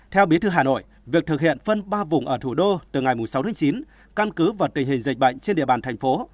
theo bí thư hà nội việc thực hiện phân ba vùng ở thủ đô từ ngày sáu tháng chín căn cứ vào tình hình dịch bệnh trên địa bàn thành phố